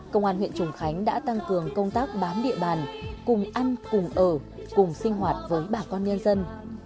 công an huyện trùng khánh đã tăng cường công tác bám địa bàn cùng ăn cùng ở cùng sinh hoạt với bà con nhân dân